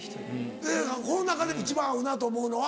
この中で一番合うなと思うのは？